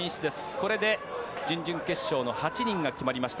これで準々決勝の８人が決まりました。